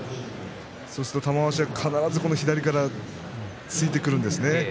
すると玉鷲は必ず左から突いてくるんです。